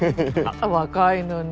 若いのに。